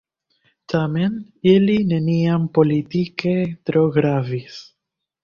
Tamen ili neniam politike tro gravis.